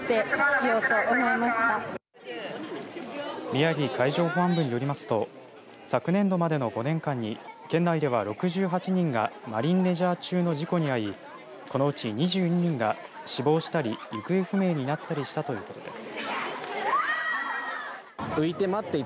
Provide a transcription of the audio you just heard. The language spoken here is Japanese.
宮城海上保安部によりますと昨年度までの５年間に県内では６８人がマリンレジャー中の事故に遭い、このうち２２人が死亡したり行方不明になったりしたということです。